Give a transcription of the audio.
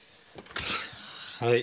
はい。